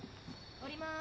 下ります。